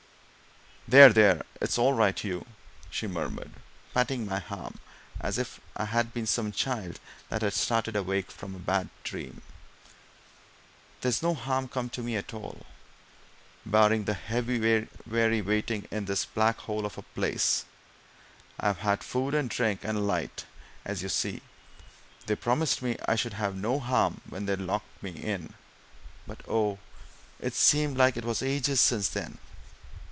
"There, there, it's all right, Hugh!" she murmured, patting my arm as if I had been some child that had just started awake from a bad dream. "There's no harm come to me at all, barring the weary waiting in this black hole of a place! I've had food and drink and a light, as you see they promised me I should have no harm when they locked me in. But oh, it's seemed like it was ages since then!"